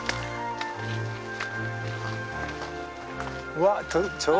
うわっ！